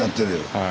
はい。